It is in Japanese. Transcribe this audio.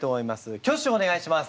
挙手をお願いします。